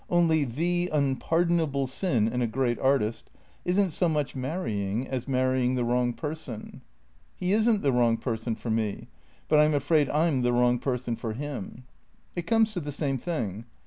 Only, the unpardon able sin in a great artist — is n't so much marrying as marrying the wrong person." " He is n't the wrong person for me. But I 'm afraid I 'm the wrong person for him." " It comes to the same thing."